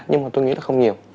nhưng mà tôi nghĩ là không nhiều